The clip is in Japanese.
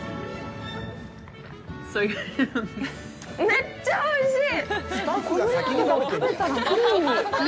めっちゃおいしい！